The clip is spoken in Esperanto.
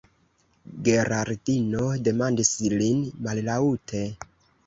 Geraldino demandis lin mallaŭte: